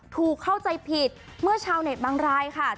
ถูกเข้าใจผิดเมื่อชาวเน็ตบางรายค่ะ